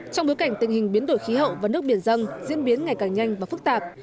trong bối cảnh tình hình biến đổi khí hậu và nước biển dân diễn biến ngày càng nhanh và phức tạp